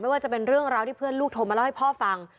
ว่าจะเป็นเรื่องราวที่เพื่อนลูกโทรมาเล่าให้พ่อฟัง